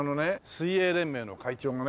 水泳連盟の会長もね